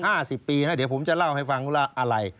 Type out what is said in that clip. สิบปีแล้วเดี๋ยวผมจะเล่าให้ฟังว่าอะไร